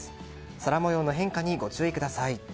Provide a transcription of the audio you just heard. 空模様の変化にご注意ください。